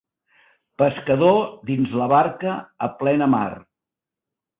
Pescador dins la barca a plena mar.